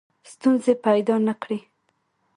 ستونزې پیدا نه کړي.